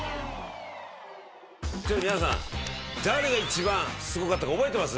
皆さん誰が一番すごかったか覚えてます？